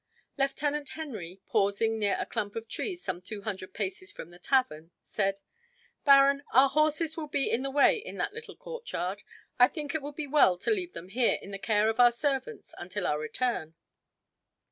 Lieutenant Henry, pausing near a clump of trees some two hundred paces from the tavern, said: "Baron, our horses will be in the way in that little courtyard. I think it would be well to leave them here in the care of our servants until our return."